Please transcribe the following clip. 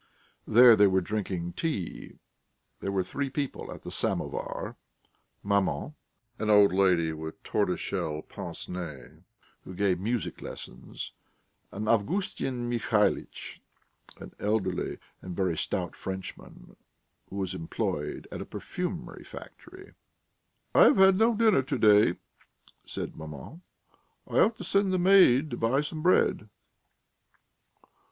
There they were drinking tea. There were three people at the samovar: maman; an old lady with tortoiseshell pince nez, who gave music lessons; and Avgustin Mihalitch, an elderly and very stout Frenchman, who was employed at a perfumery factory. "I have had no dinner to day," said maman. "I ought to send the maid to buy some bread."